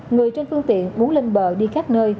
người trên phương tiện muốn lên bờ đi khắp nơi